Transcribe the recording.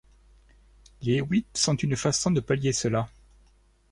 Les hewitts sont une façon de palier cela.